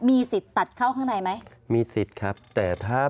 มีสิทธิ์ตัดเข้าข้างในไหมมีสิทธิ์ครับแต่ถ้า